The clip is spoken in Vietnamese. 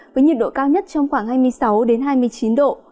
với nhiệt độ cao nhất trong khoảng hai mươi sáu hai mươi chín độ